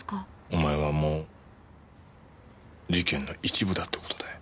お前はもう事件の一部だって事だよ。